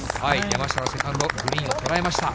山下のセカンド、グリーンを捉えました。